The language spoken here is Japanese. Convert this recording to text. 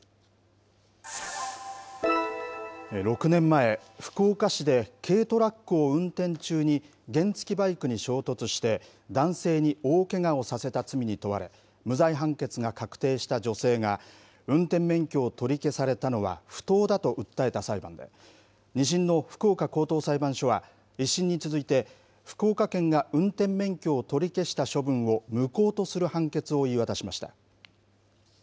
６年前、福岡市で軽トラックを運転中に原付きバイクに衝突して、男性に大けがをさせた罪に問われ、無罪判決が確定した女性が、運転免許を取り消されたのは不当だと訴えた裁判で、２審の福岡高等裁判所は、１審に続いて福岡県が運転免許を取り消した処分を無効とする判決を言い渡しました。